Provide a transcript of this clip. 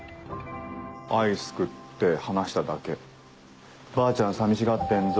アイス食って話しただけ「ばあちゃん寂しがってんぞ」